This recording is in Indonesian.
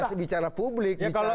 masih bicara publik